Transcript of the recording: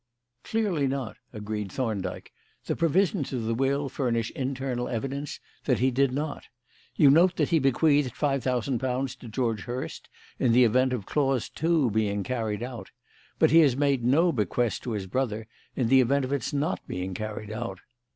"Clearly not," agreed Thorndyke; "the provisions of the will furnish internal evidence that he did not. You note that he bequeathed five thousand pounds to George Hurst, in the event of clause two being carried out; but he has made no bequest to his brother in the event of its not being carried out.